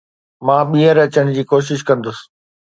مان ٻيهر اچڻ جي ڪوشش ڪندس.